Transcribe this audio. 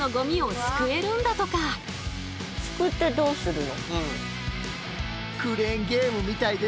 すくってどうするの？